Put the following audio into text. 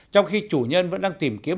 trong khi chủ nhân vẫn đang tìm kiếm